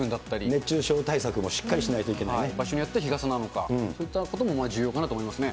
熱中症対策もしっかりしない場所によっては日傘なのか、そういったことも重要かなと思いますね。